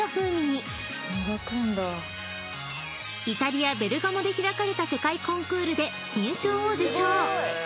［イタリアベルガモで開かれた世界コンクールで金賞を受賞］